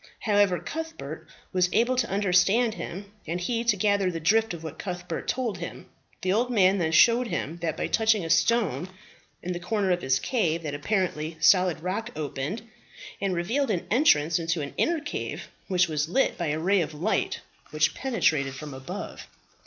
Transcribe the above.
However, Cuthbert was able to understand him, and he to gather the drift of what Cuthbert told him. The old man then showed him, that by touching a stone in the corner of his cave the apparently solid rock opened, and revealed an entrance into an inner cave, which was lit by a ray of light, which penetrated from above.